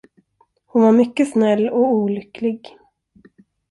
Hon var mycket snäll och olycklig.